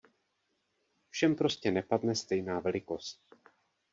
Všem prostě nepadne stejná velikost.